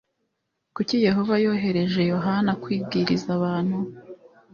kuki yehova yohereje yohana kubwiriza abantu